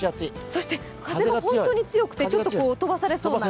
そして、風が本当に強くて飛ばされそうな。